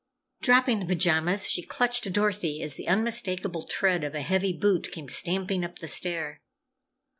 Dropping the pajamas, she clutched Dorothy as the unmistakable tread of a heavy boot came stamping up the stair.